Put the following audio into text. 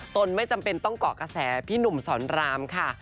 ตนไม่จำเป็นต้องกรอกระแสผู้นุ่มสรรภ์รามค่ะ